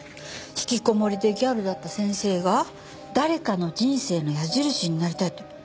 ひきこもりでギャルだった先生が誰かの人生の矢印になりたいって。